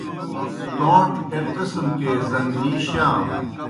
توݩڇ ایْک قسم کے زن٘گلی شا نوْ۔